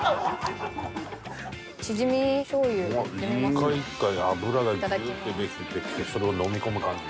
一回一回脂がジュって出てきてそれを飲み込む感じ。